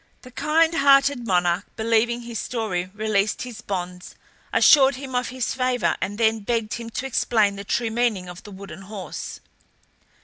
The kind hearted monarch, believing his story, released his bonds, assured him of his favour, and then begged him to explain the true meaning of the wooden horse.